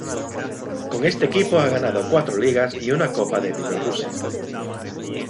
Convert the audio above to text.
Con este equipo ha ganado cuatro Ligas y una Copa de Bielorrusia.